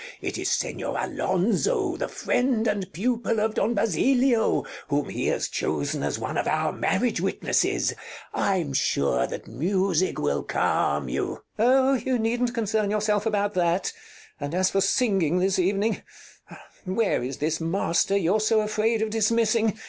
It is Señor Alonzo, the friend and pupil of Don Basilio, whom he has chosen as one of our marriage witnesses. I'm sure that music will calm you. Rosina Oh! you needn't concern yourself about that; and as for singing this evening Where is this master you're so afraid of dismissing?